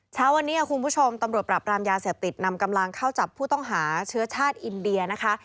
เช้าวันนี้คุณผู้ชมตำรวจปราบรามยาเสพติดนำกำลังเข้าจับผู้ต้องหาเชื้อชาติอินเดียนะคะ